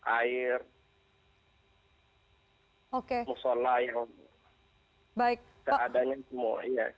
air musola yang seadanya semua